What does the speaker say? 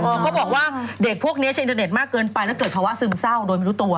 เขาบอกว่าเด็กพวกนี้เซ็นเตอร์เด็ดมากเกินไปแล้วเกิดภาวะซึมเศร้าโดยไม่รู้ตัว